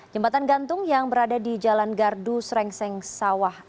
jembatan gantung yang berada di jalan gardu srengseng sawah